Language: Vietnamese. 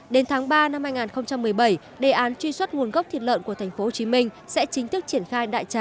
đến tháng ba năm hai nghìn một mươi bảy đề án truy xuất nguồn gốc thịt lợn của tp hcm sẽ chính thức triển khai đại trà